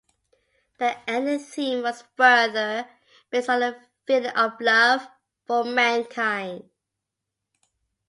The ending theme was further based on the feeling of love for mankind.